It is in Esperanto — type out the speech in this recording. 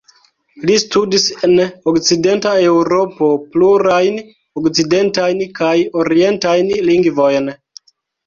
Li studis en Okcidenta Eŭropo plurajn okcidentajn kaj orientajn lingvojn.